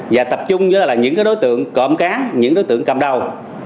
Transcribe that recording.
và tập trung với những đối tượng cộm cá những đối tượng cầm đau